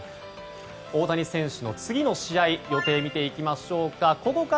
大谷選手の次の試合予定を見ていきましょう。